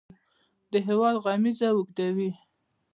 د هیواد غمیزه اوږدوي.